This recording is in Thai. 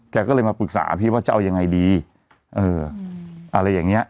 แกก็เลยมาปรึกษาพี่ว่าจะเอายังไงดี